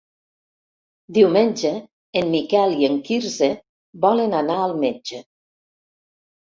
Diumenge en Miquel i en Quirze volen anar al metge.